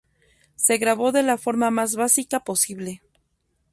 Se grabó de la forma más básica posible.